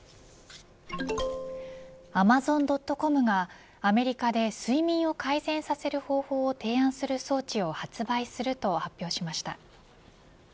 アマゾンドットコムがアメリカで睡眠を改善させる方法を提案する装置を発売すると発表しました。